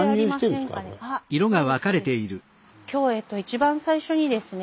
今日一番最初にですね